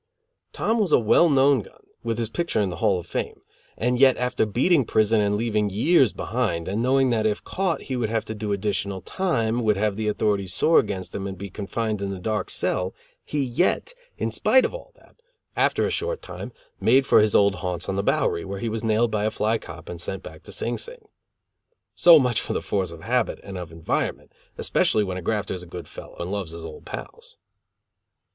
Tom was a well known gun, with his picture in the Hall of Fame, and yet, after beating prison, and leaving years behind, and knowing that if caught he would have to do additional time, would have the authorities sore against him and be confined in the dark cell, he yet, in spite of all that, after a short time, made for his old haunts on the Bowery, where he was nailed by a fly cop and sent back to Sing Sing. So much for the force of habit and of environment, especially when a grafter is a good fellow and loves his old pals.